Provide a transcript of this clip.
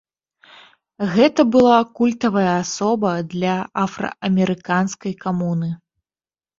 Гэта была культавая асоба для афраамерыканскай камуны.